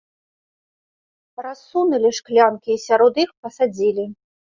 Рассунулі шклянкі і сярод іх пасадзілі.